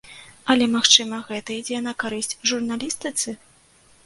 Але магчыма, гэта ідзе на карысць журналістыцы?